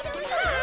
あ！